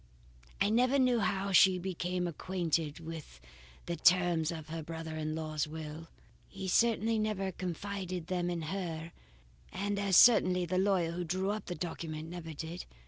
"I never knew how she became acquainted with the terms of her brother in law's will. He certainly never confided them to her, and as certainly the lawyer who drew up the document never did.